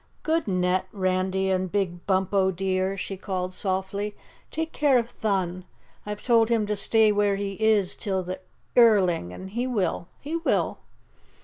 "Good net, Randy and Big Bumpo, dear," she called softly. "Take care of Thun. I've told him to stay where he is till the earling, and he will, he will."